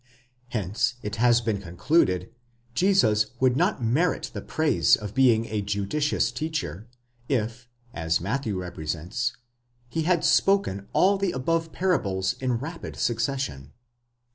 Hence, it has been concluded, Jesus would not merit the praise of being a judicious teacher, if, as Matthew represents, he had spoken all the above parables in rapid succession.